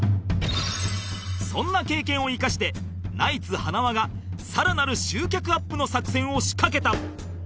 そんな経験を生かしてナイツ塙が更なる集客アップの作戦を仕掛けた